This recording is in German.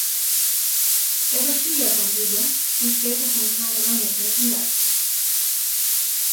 Er war Schüler von Huber und später von Carl Reinecke in Leipzig.